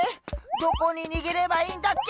どこににげればいいんだっけ？